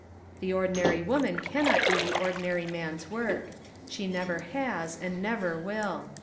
The ordinary woman cannot do the ordinary man's work. She never has and never will.